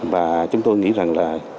và chúng tôi nghĩ rằng là